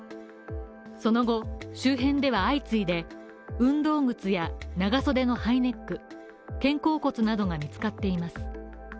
その後、周辺では相次いで運動靴や長袖のハイネック肩甲骨などが見つかっています。